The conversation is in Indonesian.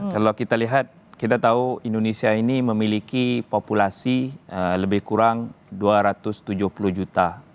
kalau kita lihat kita tahu indonesia ini memiliki populasi lebih kurang dua ratus tujuh puluh juta